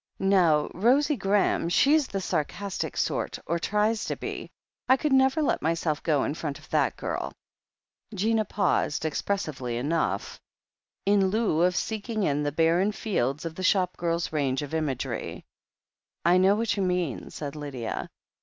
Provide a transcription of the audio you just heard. Now, Rosie Graham — she's the sarcastic sort — or tries to be. I could never let myself go in front of that girl " Gina paused, expressively enough, in lieu of seeking in the barren fields of the shop girl's range of imagery. "I know what you mean," said Lydia.